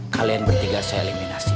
kalian bertiga saya eliminasi